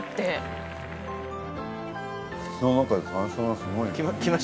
口の中で山椒がすごい。